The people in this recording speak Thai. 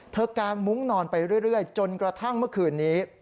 กางมุ้งนอนไปเรื่อยจนกระทั่งเมื่อคืนนี้